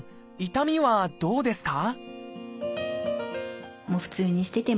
痛みはどうですか？